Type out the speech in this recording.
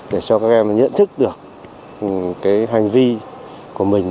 để cho các em nhận thức được hành vi của mình